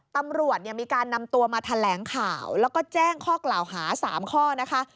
ตำรวจเนี่ยมีการนำตัวมาแถลงข่าวแล้วก็แจ้งข้อกล่าวหา๓ข้อนะคะ